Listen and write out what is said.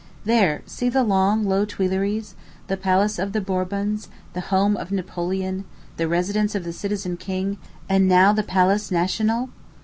There, see the long, low Tuileries, the palace of the Bourbons, the home of Napoleon, the residence of the citizen king, and now the Palace National.